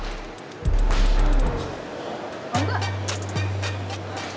siapa suruh gak mau mesin